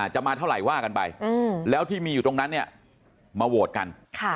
จะมาเท่าไหร่ว่ากันไปแล้วที่มีอยู่ตรงนั้นเนี่ยมาโหวตกัน